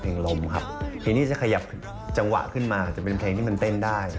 ลมครับเพลงนี้จะขยับจังหวะขึ้นมาอาจจะเป็นเพลงที่มันเต้นได้